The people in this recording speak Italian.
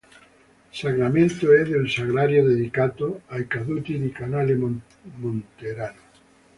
Sacramento e del Sacrario dedicato ai Caduti di Canale Monterano.